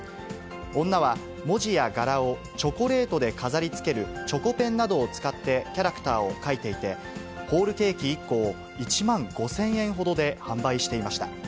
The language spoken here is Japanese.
女は、文字や柄をチョコレートで飾りつけるチョコペンなどを使ってキャラクターを描いていて、ホールケーキ１個を１万５０００円ほどで販売していました。